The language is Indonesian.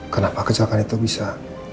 kenapa kecelakaan itu bisa